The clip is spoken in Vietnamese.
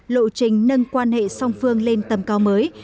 lộ trình nâng quan hệ song phương lên tầm cao mới